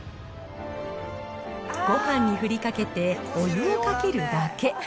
ごはんに振りかけてお湯をかけるだけ。